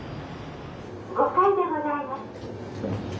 「５階でございます」。